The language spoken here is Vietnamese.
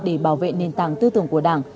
để bảo vệ nền tảng tư tưởng của đảng